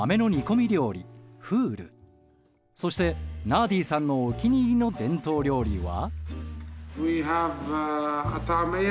そしてナーディさんのお気に入りの伝統料理は。